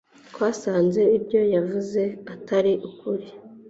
Twasanze ibyo yavuze atari ukuri.